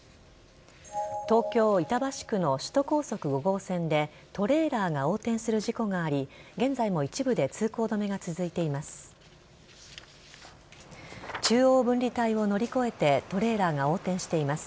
東京・板橋区の首都高速５号線でトレーラーが横転する事故があり現在も一部で通行止めが続いています。